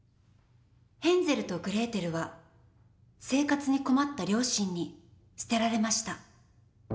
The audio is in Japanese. ヘンゼルとグレーテルは生活に困った両親に捨てられました。